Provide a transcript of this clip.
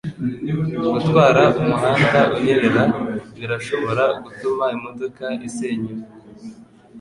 Gutwara umuhanda unyerera birashobora gutuma imodoka isenyuka.